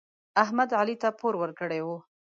احمد علي ته پور ورکړی و.